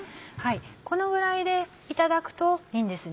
このぐらいでいただくといいんですね。